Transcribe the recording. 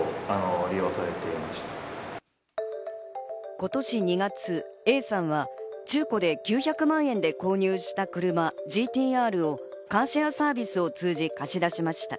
今年２月、Ａさんは中古で９００万円で購入した車、ＧＴーＲをカーシェアサービスを通じ貸し出しました。